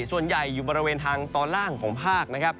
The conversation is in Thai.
ส่วนใหญ่อยู่บริเวณทางตอนล่างของภาคนะครับ